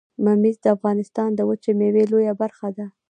ممیز د افغانستان د وچې میوې لویه برخه ده